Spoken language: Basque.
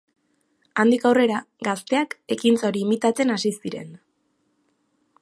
Handik aurrera, gazteak ekintza hori imitatzen hasi ziren.